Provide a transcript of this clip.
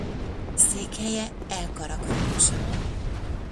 Székhelye el-Karak városa.